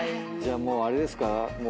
じゃあもうあれですか？